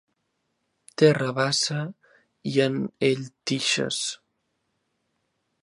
Té rabassa i en ell tixes.